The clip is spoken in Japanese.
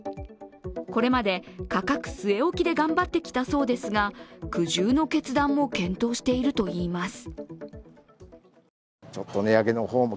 これまで価格据え置きで頑張ってきたそうですが苦渋の決断も検討しているといいます。